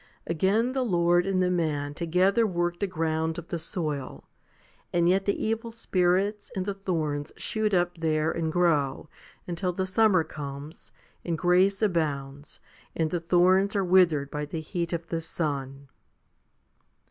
Again the Lord and the man together work the ground of the soul, and yet the evil spirits and the thorns shoot up there and grow, until the summer comes, and grace abounds, and the thorns are withered by the heat of the sun.